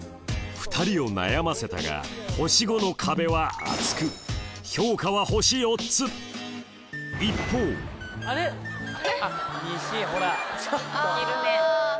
２人を悩ませたが星５の壁は厚く評価は星４つ一方鳴った。